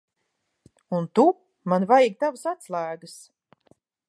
Un tu. Man vajag tavas atslēgas.